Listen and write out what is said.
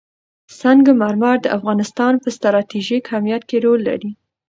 سنگ مرمر د افغانستان په ستراتیژیک اهمیت کې رول لري.